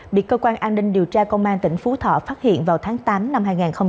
bị cơ quan an ninh điều tra công an tỉnh phú thọ phát hiện vào tháng tám năm hai nghìn hai mươi ba